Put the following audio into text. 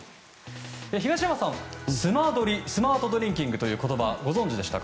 東山さん、スマドリスマートドリンキングという言葉ご存じでしたか。